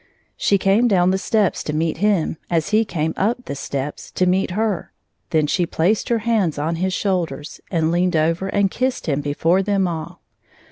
She came down the steps to meet him as he came up the steps to meet her. Then she placed her hands on his shoulders and leaned over and kissed him before them all.